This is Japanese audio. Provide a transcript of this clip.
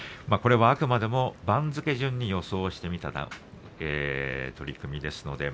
これはあくまでも番付順に予想した取組です。